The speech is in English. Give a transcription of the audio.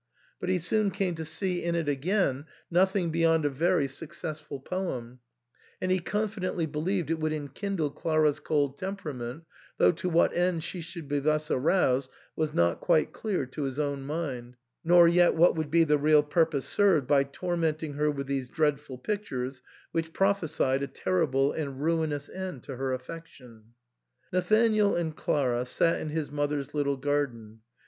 " But he soon came to see in it again nothing beyond a very successful poem, and he confi dently believed it would enkindle Clara's cold tempera ment, though to what end she should be thus aroused was not quite clear to his own mind, nor yet what would be the real purpose served by tormenting her with these dreadful pictures, which prophesied a terri ble and ruinous end to her affection. Nathanael and Clara sat in his mother's little garden.